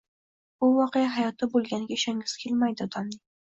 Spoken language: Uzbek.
Bu voqea hayotda boʻlganiga ishongisi kelmaydi odamning